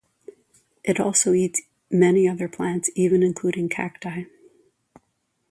It also eats many other plants, even including cacti.